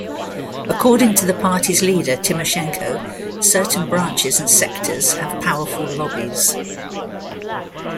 According to the party's leader Tymoshenko: Certain branches and sectors have powerful lobbies.